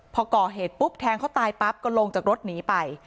พอก่อเหตุปุ๊บแทงเขาตายปั๊บก็ลงจากรถหนีไป